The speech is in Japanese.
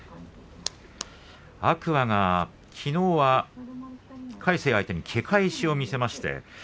天空海がきのうは魁聖相手にけ返しを見せました。